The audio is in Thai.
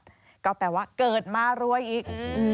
หรือว่าเกิดมารวยอีก